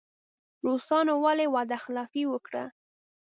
روسانو ولې وعده خلافي وکړه.